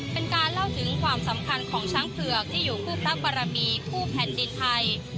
เป็นการเล่าถึงความสำคัญของช้างเผือกที่อยู่คู่พระบรมีคู่แผ่นดินไทย